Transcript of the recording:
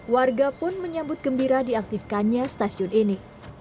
warga pun menyambut gembira diaktifkannya stasiun ini